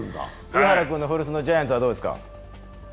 上原君の古巣のジャイアンツはどうですか？